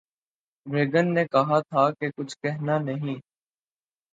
Reagan نے کہا تھا کہ کچھ کہنا نہیں